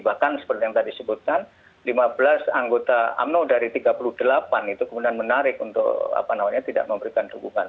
bahkan seperti yang tadi sebutkan lima belas anggota umno dari tiga puluh delapan itu kemudian menarik untuk tidak memberikan dukungan